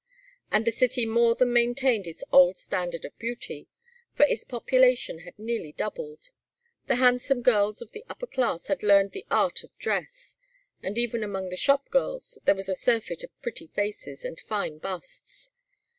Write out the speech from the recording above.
And the city more than maintained its old standard of beauty, for its population had nearly doubled; the handsome girls of the upper class had learned the art of dress, and even among the shop girls there was a surfeit of pretty faces and fine busts.